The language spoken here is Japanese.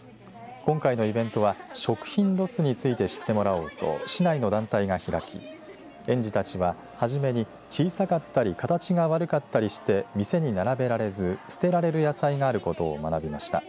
今回のイベントは食品ロスについて知ってもらおうと市内の団体が開き園児たちは初めに小さかったり形が悪かったりして店に並べられず捨てられる野菜があることを学びました。